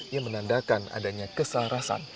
yang menandakan adanya kesahrasan